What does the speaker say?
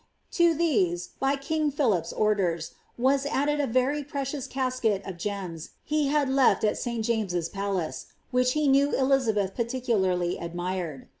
To these, by king Philip's orders, was added a very precious casket of gems he had left at St. Jameses Palace, which he knew Elizabeth particularly admired.